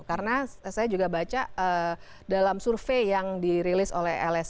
karena saya juga baca dalam survei yang dirilis oleh lsi tanggal ini